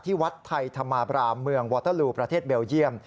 วัดไทยธรรมาบรามเมืองวอเตอร์ลูประเทศเบลเยี่ยม